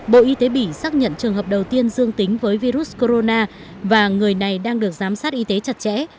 bộ y tế bỉ xác nhận trường hợp đầu tiên dương tính với virus corona và người này đang được giám sát y tế chặt chẽ